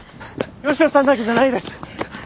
吉野さんだけじゃないです。